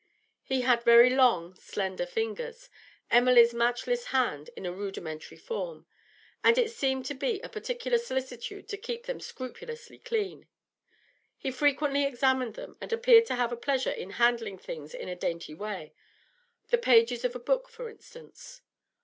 He had very long slender fingers Emily's matchless hand in a rudimentary form and it seemed to be a particular solicitude to keep them scrupulously clean; he frequently examined them, and appeared to have a pleasure in handling things in a dainty way the pages of a book, for instance.